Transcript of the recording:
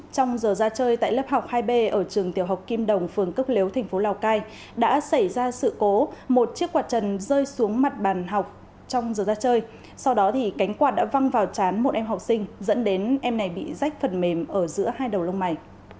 trong giờ ra chơi tại lớp học hai b ở trường tiểu học kim đồng phường cốc lếu thành phố lào cai đã xảy ra sự cố một chiếc quạt trần rơi xuống mặt bàn học trong giờ ra chơi sau đó thì cánh quạt đã văng vào chán một em học sinh dẫn đến em này bị rách phần mềm ở giữa hai đầu lông mày